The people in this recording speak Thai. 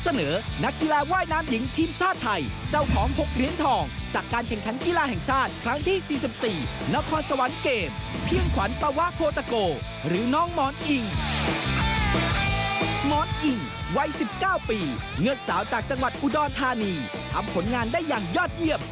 สาวจากจังหวัดอุดอลทานีทำผลงานได้อย่างยอดเยี่ยม